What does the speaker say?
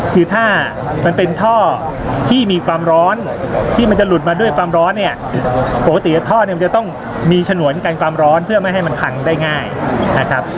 คือถ้ามันเป็นท่อที่มีความร้อนที่มันจะหลุดมาด้วยความร้อนเนี่ยปกติท่อเนี่ยมันจะต้องมีฉนวนกันความร้อนเพื่อไม่ให้มันพังได้ง่ายนะครับ